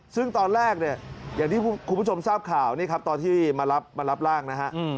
ซึ่งตอนแรกอย่างที่คุณผู้ชมทราบข่าวตอนที่มารับร่างนะฮะ